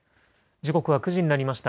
時刻は９時になりました。